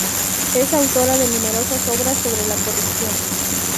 Es autora de numerosas obras sobre la corrupción.